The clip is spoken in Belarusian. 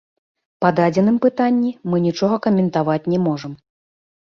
Па дадзеным пытанні мы нічога каментаваць не можам.